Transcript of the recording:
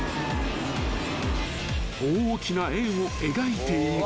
［大きな円を描いていく］